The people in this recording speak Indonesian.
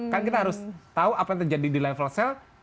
kan kita harus tahu apa yang terjadi di level sel